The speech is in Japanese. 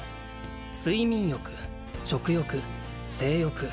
「睡眠欲食欲性欲」